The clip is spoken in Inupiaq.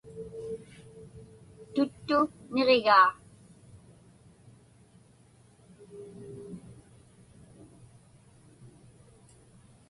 Tuttu niġigaa.